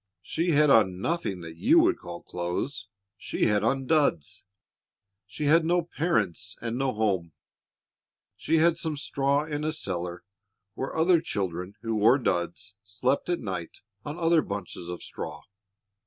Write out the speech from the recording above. She had on nothing that you would call clothes; she had on duds. She had no parents and no home. She had some straw in a cellar, where other children who wore duds slept at night on other bunches of straw.